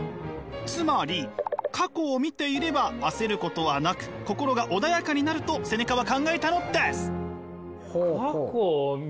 つまり過去を見ていれば焦ることはなく心が穏やかになるとセネカは考えたのです！